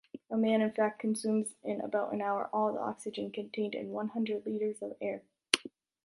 A man in fact consumes in about an hour all the oxygen contained in one hundred liters of air.